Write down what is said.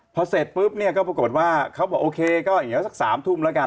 พอเสร็จปุ๊บเนี่ยก็ปรากฏว่าเขาบอกโอเคก็เดี๋ยวสัก๓ทุ่มแล้วกัน